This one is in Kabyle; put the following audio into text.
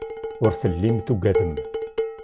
Ur tellim tugadem.